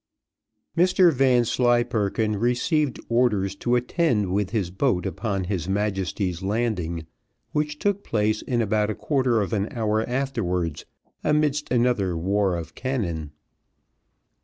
Mr Vanslyperken received orders to attend with his boat upon his Majesty's landing, which took place in about a quarter of an hour afterwards, amidst another war of cannon.